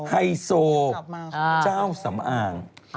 ฮาลุงค์เจ้าสำอาง